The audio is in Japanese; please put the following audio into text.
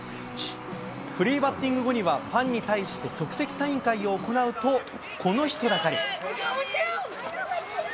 フリーバッティング後には、ファンに対して即席サイン会を行うと、この人だかり。